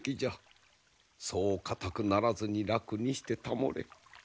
そう硬くならずに楽にしてたもれ。